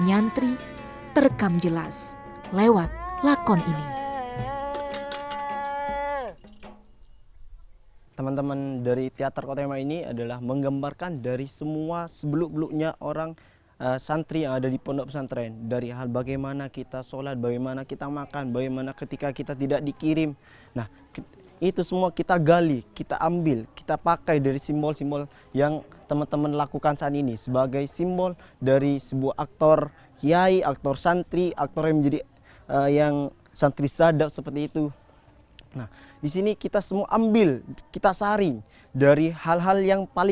yang menyambung dari seorang santri kepada gurunya